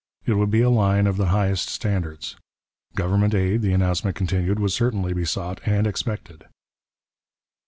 It would be a line of the highest standards. Government aid, the announcement continued, would certainly be sought and expected.